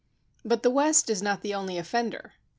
But the West is not the only offender.